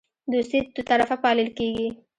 دوستي دوطرفه پالل کیږي